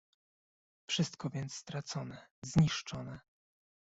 "wszystko więc stracone, zniszczone!"